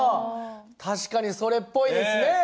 確かにそれっぽいですね。